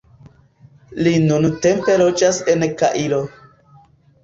Li nuntempe loĝas en Kairo.